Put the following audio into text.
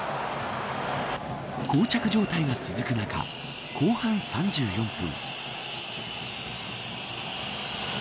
こう着状態が続く中後半３４分。